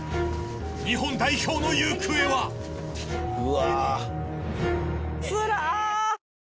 日本代表の行方は⁉あれ？